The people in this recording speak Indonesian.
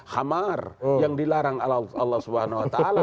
khamar yang dilarang allah swt